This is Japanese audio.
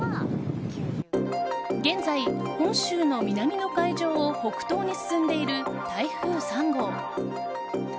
現在、本州の南の海上を北東に進んでいる、台風３号。